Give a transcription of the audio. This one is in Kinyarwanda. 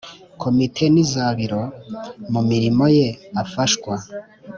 Komite n iza Biro Mu mirimo ye afashwa